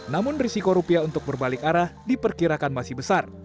namun risiko rupiah untuk berbalik arah diperkirakan masih besar